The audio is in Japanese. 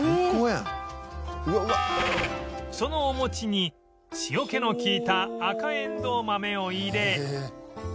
そのお餅に塩気の利いた赤えんどう豆を入れ